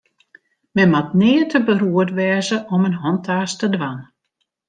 Men moat nea te beroerd wêze om in hantaast te dwaan.